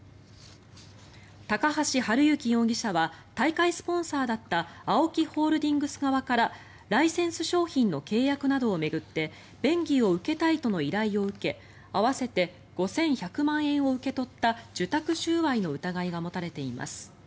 高橋治之容疑者は大会スポンサーだったＡＯＫＩホールディングス側からライセンス商品の契約などを巡って便宜を受けたいとの依頼を受け合わせて５１００万円を受け取った受託収賄の疑いが持たれています。